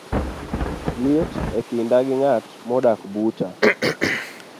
liet e kinda gi ng'at modak buta